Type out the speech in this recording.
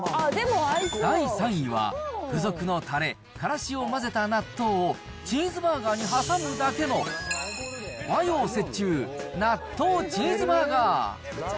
第３位は、付属のたれ、からしを混ぜた納豆を、チーズバーガーに挟むだけの、和洋折衷納豆チーズバーガー。